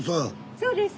そうです。